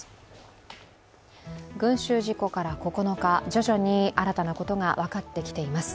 群集事故から９日徐々に新たなことが分かってきています。